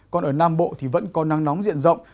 còn ở nam bộ thì vẫn có nắng nóng diện rộng